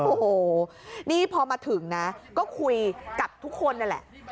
โอ้โหนี่พอมาถึงนะก็คุยกับทุกคนนั่นแหละ